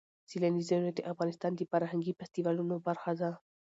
سیلانی ځایونه د افغانستان د فرهنګي فستیوالونو برخه ده.